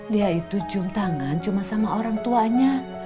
dia itu cium tangan cuma sama orang tuanya